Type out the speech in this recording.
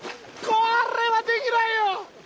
これはできないよ！